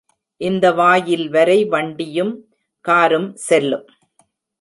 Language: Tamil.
இந்த வாயில்வரை வண்டியும் காரும் செல்லும்.